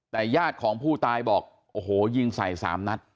แต่ญาติของผู้ตายบอกโอ้โหยิงใส่๓นัด